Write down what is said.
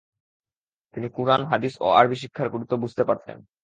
তিনি কুরআন, হাদিস ও আরবি শিক্ষার গুরুত্ব বুঝতে পারেন।